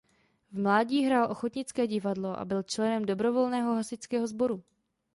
V mládí hrál ochotnické divadlo a byl členem dobrovolného hasičského sboru.